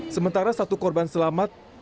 sementara satu korban selamat